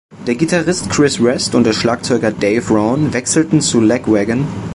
Der Gitarrist Chris Rest und Schlagzeuger Dave Raun wechselten zu Lagwagon.